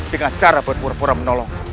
dengan cara berpura pura menolong